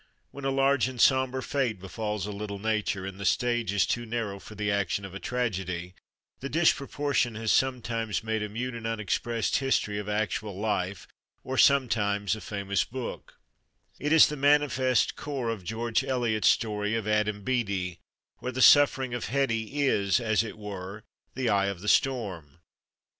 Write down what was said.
When a large and sombre fate befalls a little nature, and the stage is too narrow for the action of a tragedy, the disproportion has sometimes made a mute and unexpressed history of actual life or sometimes a famous book; it is the manifest core of George Eliot's story of Adam Bede, where the suffering of Hetty is, as it were, the eye of the storm.